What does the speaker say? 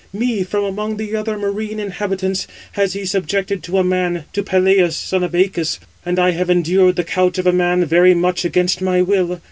Me, from among the other marine inhabitants, has he subjected to a man, to Peleus, son of Æacus; and I have endured the couch of a man very much against my will.